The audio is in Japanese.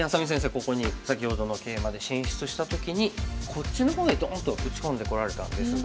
ここに先ほどのケイマで進出した時にこっちの方へドンと打ち込んでこられたんですが。